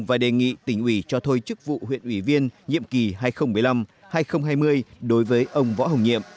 và đề nghị tỉnh ủy cho thôi chức vụ huyện ủy viên nhiệm kỳ hai nghìn một mươi năm hai nghìn hai mươi đối với ông võ hồng nhiệm